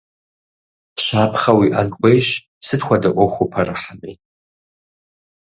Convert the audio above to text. Щапхъэ уиIэн хуейщ сыт хуэдэ Iуэху упэрыхьэми.